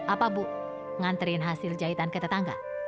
apa bu nganterin hasil jahitan ke tetangga